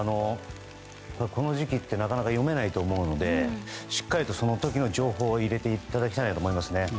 この時期ってなかなか読めないと思うのでしっかりとその時の情報を入れていただきたいと思います。